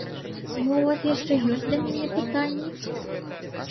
Мо ў вас яшчэ ёсць да мяне пытанні?